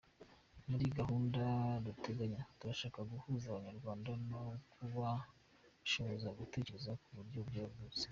Muri gahunda duteganya turashaka guhuza Abanyarwanda no kubashoboza gutekereza ku buryo bwagutse.